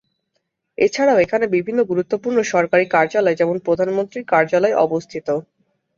এছাড়াও এখানে বিভিন্ন গুরুত্বপূর্ণ সরকারি কার্যালয়, যেমনঃ প্রধানমন্ত্রীর কার্যালয় অবস্থিত।